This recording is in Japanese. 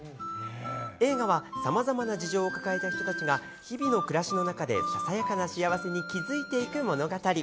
映画は、さまざまな事情を抱えた人たちが、日々の暮らしの中でささやかな幸せに気付いていく物語。